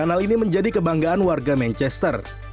kanal ini menjadi kebanggaan warga manchester